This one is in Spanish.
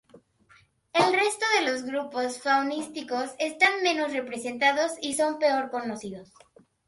El resto de los grupos faunísticos están menos representados y son peor conocidos.